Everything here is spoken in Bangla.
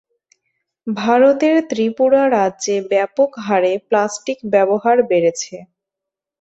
ভারতের ত্রিপুরা রাজ্যে ব্যাপক হারে প্লাস্টিক ব্যবহার বেড়েছে।